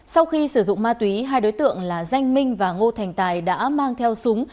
sau khi sử dụng ma túy hai đối tượng là danh minh và ngô thành tài đã mang theo súng